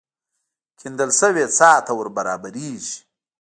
کېندل شوې څاه ته ور برابرېږي.